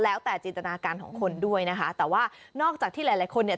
แล้วแต่จินตนาการของคนด้วยนะคะแต่ว่านอกจากที่หลายหลายคนเนี่ย